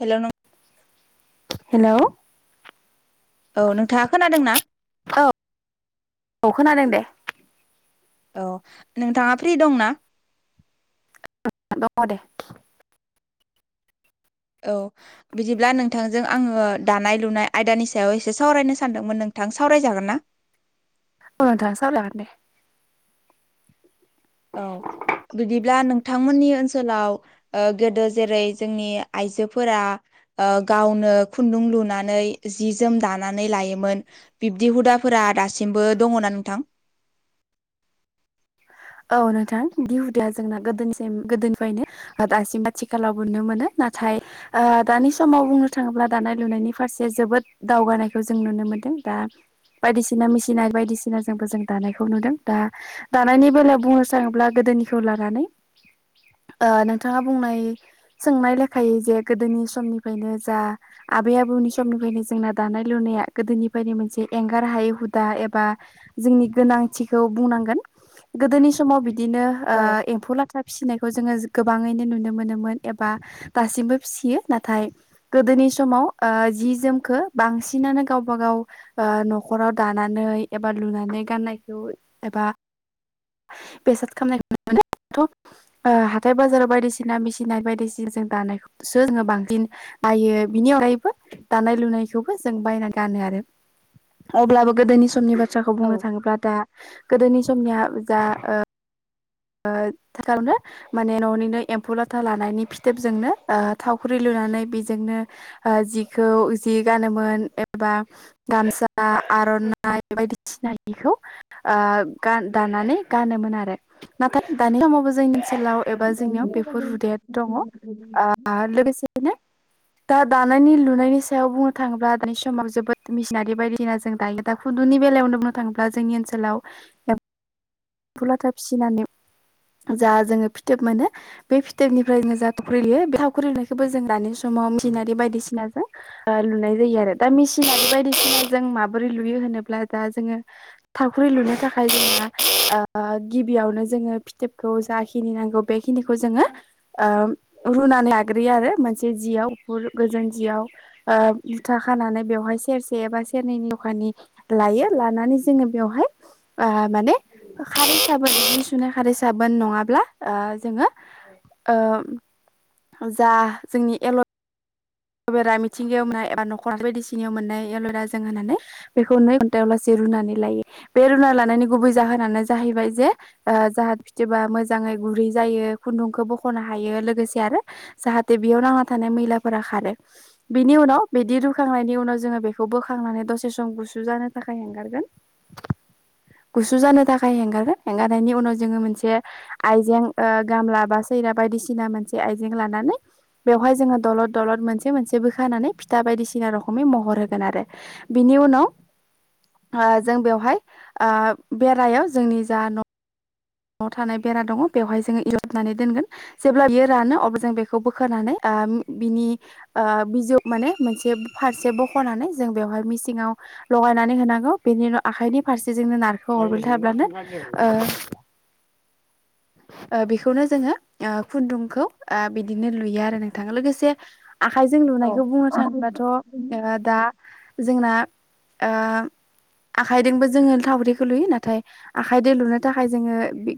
Hello नोंथां hello औ नोंथाङा खोनादोंना? औ औ खोनादों दे औ नोंथाङा फ्रि दंना दङ' दे औ बिदिब्ला नोंथांजों आङो दानाय-लुनाय आयदानि सायाव एसे सावरायनो सानदोंमोन नों नोंथां सावरायजागोन ना? ओ नोंथां सावराय जागोन दे ब्ला नोंथांमोननि ओनसोलाव गोदो जेरै जोंनि आइजोफोरा ओ गावनो खुनदुं लुनानै जि जोम दानानै लायोमोन बिबदी हुदाफोरा दासिम बो दङ' ना नोंथां औ नोंथां बे दिहुदाया जोंना गोदोनि गोदोनिफ्रायनो दासिम आथिखालावबो नुनो मोनो नाथा थाय दानि समाव बुंनो थाङोब्ला दानाय-लुनायनि फारसे जोबोद दावगानायखौ जों नुनो मोनदों दा बायदिसिना मिसिन आरो बायदिसिनाजोंबो जों दानायखौ नुदों दा दानायनि बेलायाव बुंनो थाङोब्ला गोदोनिखौ लानानै ओ नोंथाङा बुंनाय सोंनाय लेखायै जे गोदोनि समनिफ्रायनो जा आबै- आबौनि समनिफ्रायनो जोंना दानाय-लुनाय मा गोदोनिफ्रायनो मोनसे एंगार हायै हुदा एबा जोंनि गोनांथिखौ बुंनांगोन गोदोनि समाव बिदिनो ओ औ एमफौ लाथा फिसिनाय खौ जोङो गोबाङैनो नुनो मोनोमोन एबा दासिमबो फिसियो नाथाय गोदोनि समाव जि जोमखौ बांसिनानो गावबा गाव ओ न'खराव दानानै एबा लुनानै माने गाननायखौ एबा बेसाद खालामनायखौ [unintelligible] मोनोाथ' [unintelligible] ओ हाथाय बाजाराव बायदिसिना मिसिनाय बायदिसिना जों दानायखौसो जोङो बांसिन बायो नि अनगायैबो दानाय लुनायखौबो जों बायना गानो आरो अब्लाबो गोदोनि समनि बाथ्रा बाथ्राखौ बुंनो औ थाङोब्ला दा गोदोनि समनिया जा ओ नो माने [unintelligible] न'निनो एमफौ लाथा लानानै फिथोबजोंनो ओ थावख्रि लुनो नानै बेजोंनो ओ जिखौ जि गानोमोन एबा गामसा आर'नाइ बायदिसिनाखौ ओ दानानै गानोमोन आरो नाथाय दानि समावबो जों [unintelligible] ओनसोलाव औ एबा जोंनियाव बेफोर हुदाया दङ' ओ लोगोसेनो दा दानायनि लुनायनि सायाव बुंनो थाङोब्ला दानि समाव जोबोद मिसिनारि बायदिना जों दायो दा खुनदुनि नि बेलायावनो बुंनो थाङोब्ला जोंनि ओनसोलाव एमफु लाथा फिसिनानै जा जोङो फिथोब मोनो बे फिथोबनिफ्राय जों जा [unintelligible] लुयो बे थावख्रि लुनायखौबो जों दानि सम [unintelligible] मिचिनारि बायदिसिनाजों ओ लुनाय जायो आरो दा मिचिनारि बायदिसिनाजों माबोरै लुयो होन होनोब्ला दा जोङो थावख्रि लुनो थाखाय जोङा ओ गिबियावनो जोङो फिथोबखौ जाखिनि नांगौ बेखिनिखौ जोङो ओ रुनानै लाग्रोयो आरो मोनसे जियाव गुफुर गोजों जियाव ओ मुथा खानानै बेवहायसो सेरसे एबा सेरनैनि ज'खानि लायो लानानै जोङो बेयावहाय ओ माने खारै साबोन बिदि सुनाय खारै साबोन नङाब्ला ओ जोङो ओ जा जोंनि एल'ट बेरा मिथिंगायाव मोननाय एबा न'खराव बायदिसिनियाव मोननाय एल'बेरा जों होननानै बेखौ नै घन्टायाव लासै रुनानै लायो बे रुना लानायनि गुबै जाहोनानो जाहैबाय जे ओ जाहा फिथोबा मोजाङै गुरै जायो खुनदुंखौ बख'नो हायो लोगोसे आरो जाहाथे बेयाव नांना थानाय मैलाफोरा खारो बिनि उनाव बिदि रुखांनायनि उनाव जोङो बेखौ बोखांनानै दसे सम गुसु जानो थाखाय हेंगारगोन [inaudible] गुसु जानो थाखाय हेंगारो हेंगारनायनि उनाव जोङो मोनसे आयजें ओ गामला बा सो बायदिसिना मोनसे आयजें लानानै बेवहाय जोङो दलद दलद मोन मोनसे बोखानानै फिथा बायदिसिना रोखमै महर होगोन आरो बिनि उनाव ओ जों बेवहाय ओ बेरायाव जोंनि जा न' आव थानाय बेरा दङ' बेवहाय जोङो [unintelligible] दोनगोन जेब्ला बियो रानो अब्ला जों बेखौ बोखानानै ओम बिनि ओ बिजौ माने मोनसे फारसे बख'नानै जों बेवहाय मिसिङाव लगायनानै होनांगौ बेनि उनाव आखाइनि फारसे जोंङो नारखो हरबाय थाब्लानो ओ ओ बिखौनो जोङो ओ खुनदुंखौ ओ बिदिनो लुयो आरो नोंथां लोगोसे आखाइजों लुनायखौ बुंनो थाङोबाथ' ओ दा जोंना ओ आखाइदोंबो जोङो थावख्रिखौ लुयो नाथाय आखाइदो लुनो थाखाय जोङो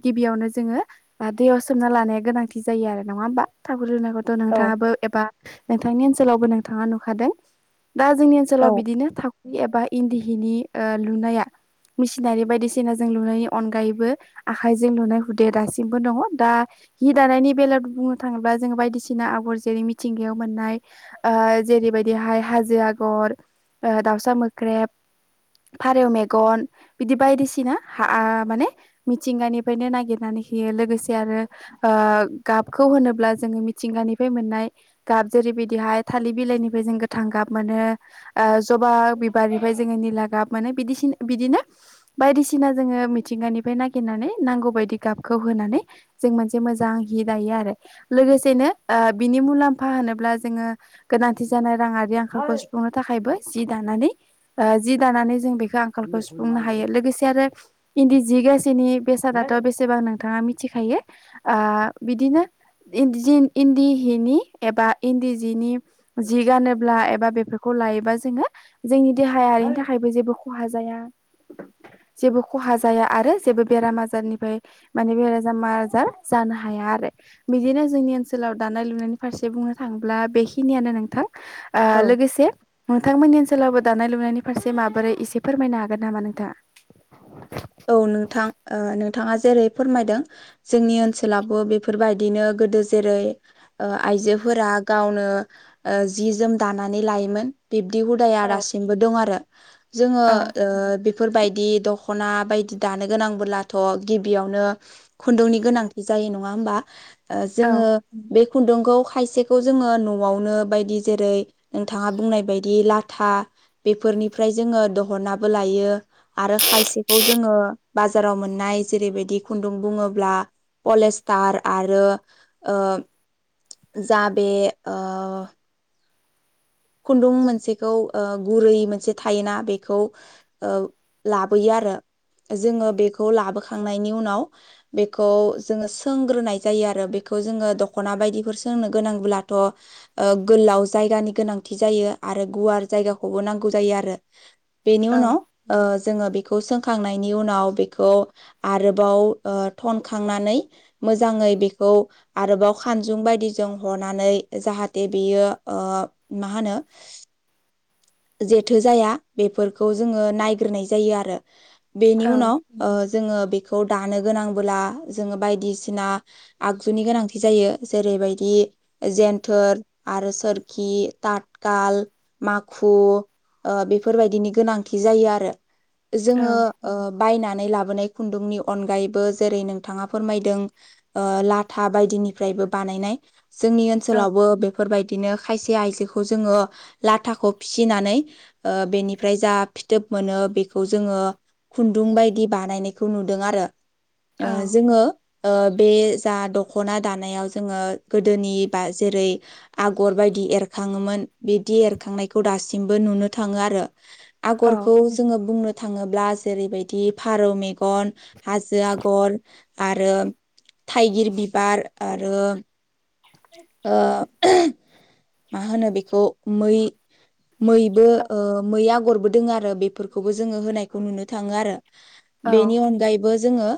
गिबियावनो ज जोङो ओ दैयाव सोमना लानाया गोनांथि जायो आरो नङा होमबा थावख्रि लुनायखौथ' औ नोंथाङाबो एबा नोंथांनि ओनसोलावबो नोंथाङा नुखादों दा जोंनि औ ओनसोलाव बिदिनो थावख्रि एबा इनदि हिनि ओ लुनाया मिसिनारि बायदिसिनाजों लुनायनि अनगायैबो आखायजों लुनाय हुदाया दासिमबो दङ' दा हि दानायनि बेलायाव बुंनो थाङोब्ला जोङो बायदिसिना आगर जेरै मिथिंगायाव मोननाय ओ जेरैबायदिहाय हाजो आगर ओ दाउसा मोख्रेब फारेव मेगन बिदि बायदिसिना हा आ माने मिथिंगानिफ्रायनो नागिर नानै होयो लोगोसे आरो ओ गाबखौ होनोब्ला जोङो मिथिंगानिफ्राय मोननाय गा जेरैबिदिहाय थालि बिलायनिफाय जों गोथां गाब मोनो ओ ज'बा बिबारनिफ्राय जोङो निला गा गाब मोनो बिदिसिन बिदिनो बायदिसिना जोङो मिथिंगानिफाय नागिनानै नांगौबायदि गाबखौ होनानै जों मोनसे मोजां हि दायो आरो लोगोसेनो ओ बिनि मुलामफा होनोब्ला जोङो गोनांथि जानाय राङारि आंखालखौ सुफुंनो थाखायबो जि दानानै ओ जि दानानै जों बेखो आंखालखौ सुफुंनो हायो लोगोसे आरो इनदि जि गासेनि बेसादाथ' बेसे बां नोंथाङा मिथिखायो ओ बिदिनो इनदिजिन इनदि हिनि एबा इनदि जिनि जि गानोब्ला एबा बेफोरखौ लायोबा जोङो जोंनि देहायारिनि थाखायबो जेबो खहा जाया जेबो खहा जाया आरो जेबो बेराम-आजारनिफ्राय माने [unintelligible] आजार जानो हाया आरो बिदिनो जोंनि ओनसोलाव दानाय- लुनायनि फारसे बुं थाङोब्ला बे खिनियानो नोंथां ओ औ लोगोसे नोंथां मोननि ओनसो सोलावबो दानाय लुनायनि फारसे माबोरै इसे फोरमायनो हागोन नामा नोंथाङा? औ नोंथां ओ नोंथाङा जेरै फोरमायदों जोंनि ओनसोलाव गोदो जेरै ओ आइजोफोरा गावनो ओ जि-जोम दानानै लायोमोन गो बिब्दि हुदाया औ दासिमबो दं आरो जोङो औ बेफोरबायदि दख'ना बायदि दानो गोनांबोलाथ' गिबियावनो खुनदुंनि गोनांथि जायो नङा होमबा औ जोङो बे खुनदुंखौ खायसेखौ जोङो न'आवनो बायदि जेरै नोंथाङा बुंनाय बायदि लाथा बेफोरनिफ्राय जोङो दहननाबो लायो आरो खायसे बाजाराव मोननाय जेरैबायदि खुनदुं बुङोब्ला पलेस्टार आरो ओ जाबे खुनदुं मोनसेखौ गुरै मोनसे थायोना बेखौ लाबोयो आ आरो जोङो बेखौ लाबोखांनायनि उनाव बेखौ जोङो सोंग्रोनाय जायो आरो बेखौ बेखौ जोङो दखना बायदिफोर सोंनो गोनांब्ला थ' ओ गोलाव जायगानि गोनां जायो आरो गुवार जायगाखौबो नांगौ जायो आरो बेनि औ उनाव जोङो बेखौ सोंखांनायनि उनाव बेखौ आरोबाव थनखांनानै मोजाङै बेखौ आरोबाव खानजुं बायदिजों हरनानै जाहाथे बियो मा होनो जेथो जाया बेफोरखौ जोङो नायग्रोनाय जायो आरो बेनि औ उनाव ओ जोङो बेखौ दानो गोनांबोला जोङो बायदिसिना आगजुनि गोनांथि जायो जेरै बेबायदि जेन्थोर आरो सोरखि ताथखाल माखु बेफोरबायदिनि गोनांथि जायो आरो जोङो औ बायनानै लाबोनाय खुनदुंनि अनगायैबो जेरै नोंथाङा फोरमायदों लाथा बायदिनिफ्राय बानायनाय जोंनि औ ओनसोलावबो बेफोरबायदिनो खायसे आइजो खौ जोङो लाथाखौ फिसिनानै बेनिफ्राय जा फिथोब मोनो बेखौ जोङो खुनदुं बायदि बानायनायखौ नुदों आरो औ जोङो बे जा दख'ना दानायाव जोङो गोदोनि बा जेरै आगर बायदि एर खाङोमोन बिदि एरखांनायखौ दासिमबो नुनो थाङो आरो औ आगरखौ जोङो बुंनो थाङोब्ला जेरैबायदि फारौ मेगन हाजो आगर आरो थाइगिर बिबार आरो ओ मा होनो बेखौ मै मैबो मै आगरबो दोङो आरो बेफोरखौबो जोङो होनायखौ नुनो थाङो आरो औ बेनि अनगायैबो जोङो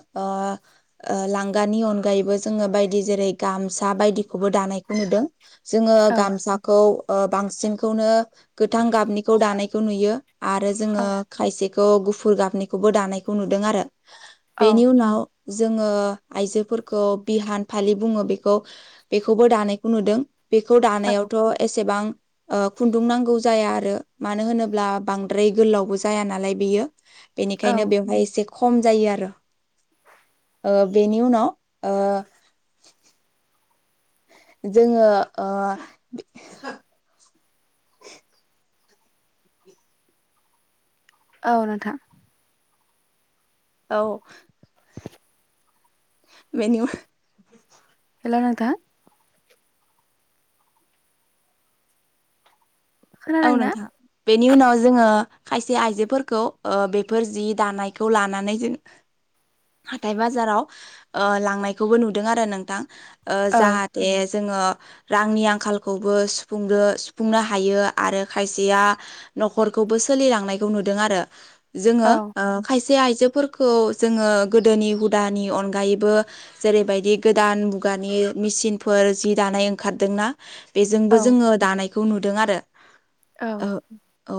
लांगानि अनगायैबो जोङो बायदि जेरै गामसा बायदिखौबो दानायखौ नुदों जोङो गामसाखौ बांसिनखौनो गोथां गाबनिखौ दानायखौ नुयो आरो जोङो खायसेखौ गुफुर गाबनिखौबो दानायखौ नुदों आरो बेनि उनाव जोङो आइजोफोरखौ बिहान फालि बुङो बेखौ बेखौबो दानायखौ नुदों बेखौ औ दानायाव एसेबां खुन्दुं नांगौ जाया आरो मानो होनोब्ला बांद्राय गोलावबो जाया नालाय बेयो बेनिखायनो औ बेवहाय एसे खम जायो आरो बेनि उनाव ओ जोङो ओ औ नोंथां औ [inaudible] हेल नोंथां औ खोनादोंना नोंथां बेनि उनाव जोङो खायसे आइजोफोरखौ बेफोर जि दानायखौ लानानै जों हाथाय बाजाराव ओ लांनायखौबो नुदों आरो नोंथां ओ औ जाहाथे जोङो रांनि आंखालखौबो सुफुंदो सुफुंनो हायो। आरो खायसेया न'खरखौबो सोलिलांनायखौ नुदों आरो जोङो औ ओ खाय से आइजोफोरखौ जोङो गोदोनि हुदानि अनगायैबो जेरैबायदि गोदान मुगा नि मेसिनफोर जि दानाय ओंखारदोंना बेजोंबो औ जोङो दानायखौ नुदों आरो औ औ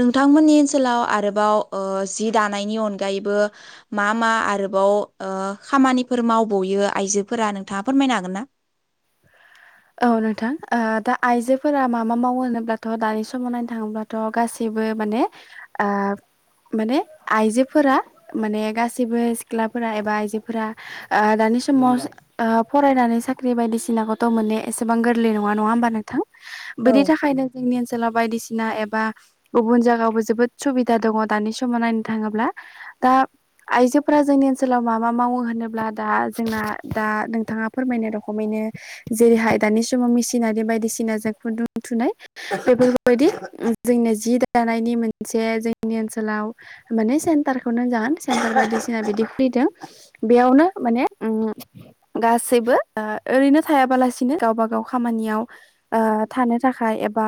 नोंथांमोननि ओनसोलाव आरोबाव ओ जि दानायनि अनगायैबो मा मा आरोबाव बाव [unintelligible] ओ खामानिफोर मावबयो आइजोफोरा नोंथाङा फोरमायनो हागोन ना? औ नोंथां ओ दा आइजोफोरा माबा मावो होनोब्लाथ' दानि समाव नायनो थाङोब्लाथ' गासै बो माने आ माने आइजोफोरा माने गासिबो सिख्लाफोरा एबा आइजोफोरा दा नि समाव ओ फरायनानै साख्रि बायदिसिनाखौथ' मोने एसेबां गोरलै नङा नङा होमबा नोंथां औ बेनि थाखायनो जोंनि ओन सोलाव बायदिसिना एबा गुबुन जायगायावबो जोबोद सुबिदा दङ दानि समाव नायनो थाङोब्ला दा आइजोफोरा जोंनि ओनसोलाव मा मा मावो होनोब्ला दा जोंना दा नोंथाङा फोरमायनाय रखमैनो जेरैहाय दानि समाव मेसिनारि बायदिसिनाजों खुन्दुं थुनाय बेफोरखौबायदि जोंनो जि दा नायनि मोनसे जोंनि ओनसोलाव माने सेन्टारखौनो जागोन सेन्टार बायदिसिना बिदि खुलिदों। बेयावनो माने उम गासैबो ओरैनो थाबालासे गावबा गाव खामानियाव थानो थाखाय एबा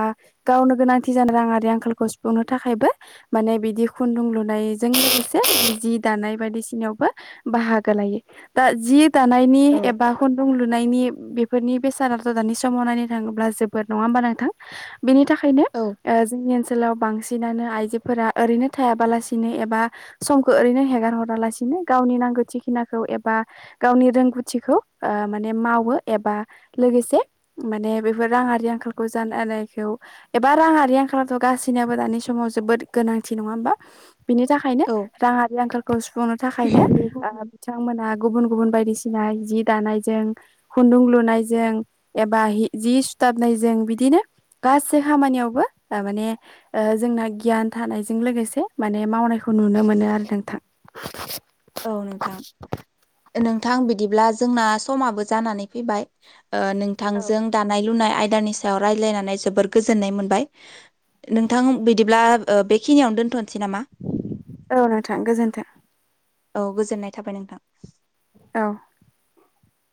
गावनो गोनांथि जानो राङारि आंखाल खौ सुफुंनो थाखायबो माने बिदि खुन्दुं लुनायजों लोगोसे जि दानाय बायदिसिनायाव बो बाहागो लायो दा जि दानायनि औ एबा खुन्दुं लुनायनि बेफोरनि बेसादथ' दानि समाव नायनो थाङोब्ला जोबोद नङा होमबा नोंथां बिनि थाखायनो औ जोंनि ओनसोलाव बांसिन आइजोफोरा ओरैनो थायाबालासिनो एबा समखौ ओरैनो हेगार हरा लासिनो गावनि नां गोथिखनाखौ [unintelligible] रोंगौथिखिनाखौ एबा गावनि रोंगौथिखौ माने मावो एबा लोगोसे माने बेफोर राङारि आंखालखौ जानायखौ एबा राङारि आं खालथ' गाससिनियाबो दानि समाव जोबोद गोनांथि नङा होमबा बिनि थाखायनो औ राङारि आंखालखौ सुफुंनो थाखायनो ओ बिथांमोना गुबुन गुबुन बायदिसिना जि दानायजों खुन्दुं लुनायजों एबा जि सुथाबनायजों बिदिनो गासै खामानियावबो माने जोंना गियान थानायजों लोगोसे माने मावनाय खौ नुनो मोनो आरो नोंथां औ नोंथां नोंथां बिदिब्ला जोंना समाबो जानानै फैबाय ओ औ नोंथांजों दानाय लुनाय आयदानि सायाव रायज्लायनानै जोबोर गोजोननाय मोनबाय। नोंथां बिदिब्ला ओ बेखिनियावनो दोन्थ'नोसै नामा? औ नोंथां गोजोनथों औ गोजोननाय थाबाय नोंथां औ